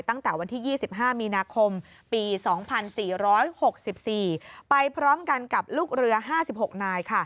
ตั้งแต่วันที่๒๕มีนาคมปี๒๔๖๔ไปพร้อมกันกับลูกเรือ๕๖นาย